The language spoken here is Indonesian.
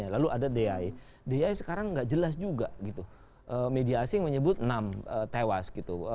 lalu ada di di sekarang tidak jelas juga media asing menyebut enam tewas